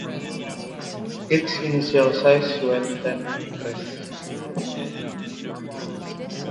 Its initial size was ten acres.